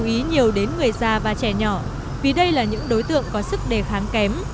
chú ý nhiều đến người già và trẻ nhỏ vì đây là những đối tượng có sức đề kháng kém